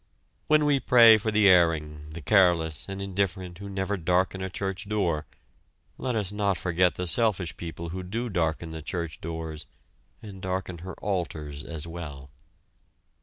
When we pray for the erring, the careless and indifferent who never darken a church door, let us not forget the selfish people who do darken the church doors, and darken her altars as well!